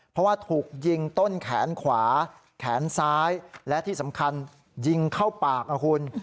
เพราะว่าถูกยิงต้นแขนขวาแขนซ้ายและที่สำคัญยิงเข้าปากนะคุณ